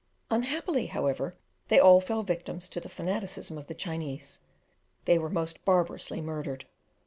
Unhappily, however, they all fell victims to the fanaticism of the Chinese: they were most barbarously murdered.